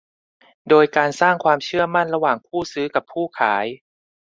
โดยการสร้างความเชื่อมั่นระหว่างผู้ซื้อกับผู้ขาย